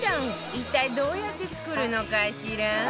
一体どうやって作るのかしら？